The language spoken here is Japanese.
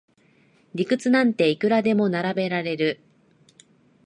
理屈なんていくらでも並べられる